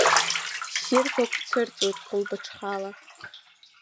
Ссирқәак цәырҵуеит хәылбыҽхала…